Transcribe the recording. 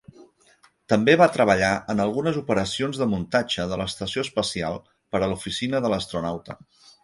També va treballar en algunes operacions de muntatge de l'estació espacial per a l'Oficina de l'Astronauta.